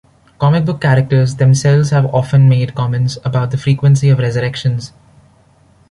Comic book characters themselves have often made comments about the frequency of resurrections.